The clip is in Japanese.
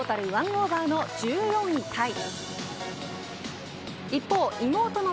１オーバーの１４位タイ